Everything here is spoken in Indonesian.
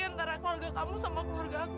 antara keluarga kamu sama keluarga aku